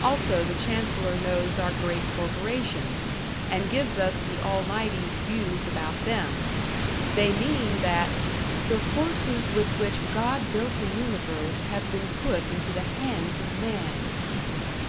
Also the Chancellor knows our great corporations, and gives us the Almighty's views about them; they mean that "the forces with which God built the universe have been put into the hands of man."